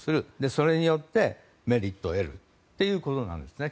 それによって、メリットを得るという構造なんですね